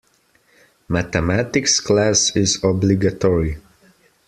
Mathematics class is obligatory.